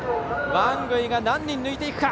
ワングイが何人抜いていくか。